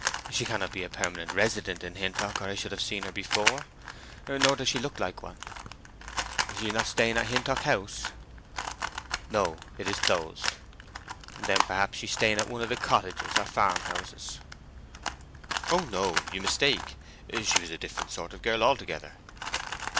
She cannot be a permanent resident in Hintock or I should have seen her before. Nor does she look like one." "She is not staying at Hintock House?" "No; it is closed." "Then perhaps she is staying at one of the cottages, or farmhouses?" "Oh no—you mistake. She was a different sort of girl altogether."